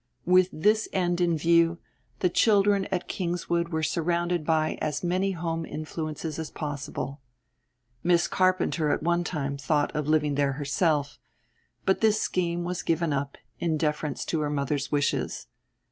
With this end in view, the children at Kingswood were surrounded by as many home influences as possible. Miss Carpenter at one time thought of living there herself, but this scheme was given up, in deference to her mother's wishes.